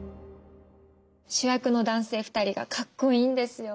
主役の男性２人がかっこいいんですよ！